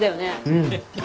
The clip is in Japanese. うん。